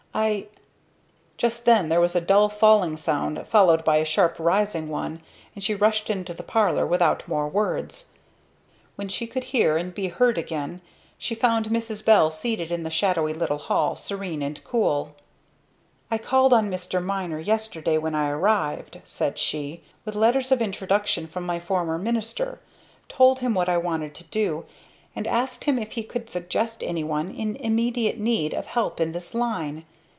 "I " Just then there was a dull falling sound followed by a sharp rising one, and she rushed into the parlor without more words. When she could hear and be heard again, she found Mrs. Bell seated in the shadowy little hall, serene and cool. "I called on Mr. Miner yesterday when I arrived," said she, "with letters of introduction from my former minister, told him what I wanted to do, and asked him if he could suggest anyone in immediate need of help in this line.